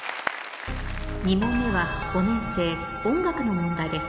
２問目は５年生音楽の問題です